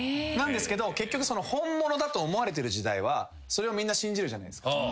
なんですけど結局本物だと思われてる時代はそれをみんな信じるじゃないですか。